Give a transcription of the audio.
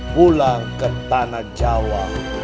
pulang ke tanah jawa